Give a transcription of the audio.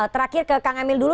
terakhir ke kang emil dulu